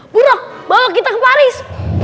buruk bawa kita ke paris